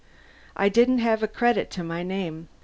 I didn't have a credit to my name.